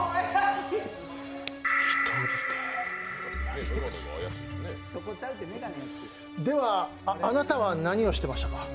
１人で１人では、あなたは何をしてましたか？